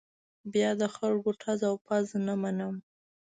بیا د خلکو ټز او پز نه منم.